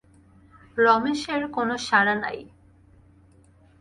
–রমেশের কোনো সাড়া নাই।